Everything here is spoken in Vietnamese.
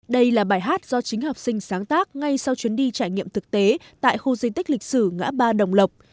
đây là bài hát do chính học sinh sáng tác ngay sau chuyến đi trải nghiệm thực tế tại khu di tích lịch sử ngã ba đồng lộc